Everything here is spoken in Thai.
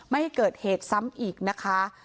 ไม่ให้เกิดเหตุซ้ำอีกนะคะ